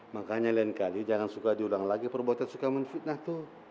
makanya lain kali jangan suka diulang lagi perbuatan suka menfitnah tuh